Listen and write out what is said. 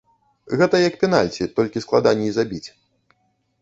Гэта як пенальці, толькі складаней забіць.